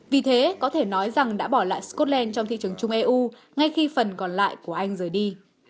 vì thế có thể nói rằng đã bỏ lại scotland trong thị trường chung eu ngay khi phần còn lại của anh rời đi